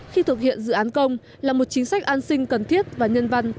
khi thực hiện dự án công là một chính sách an sinh cần thiết và nhân văn